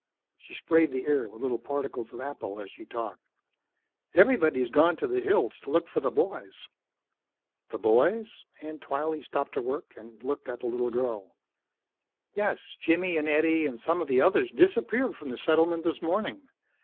She sprayed the air with little particles of apple as she talked. "Everybody's gone to the hills to look for the boys." "The boys?" Aunt Twylee stopped her work and looked at the little girl. "Yes Jimmy an' Eddie an' some of the others disappeared from the settlement this morning.